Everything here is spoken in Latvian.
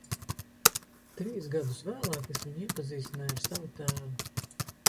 Trīs gadus vēlāk es viņu iepazīstināju ar savu tēvu.